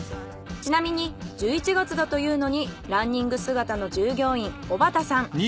ちなみに１１月だというのにランニング姿の従業員小幡さん。